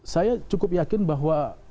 saya cukup yakin bahwa